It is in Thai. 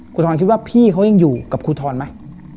ครูทรอบคิดว่าพี่เขายังอยู่กับครูทรมั้ย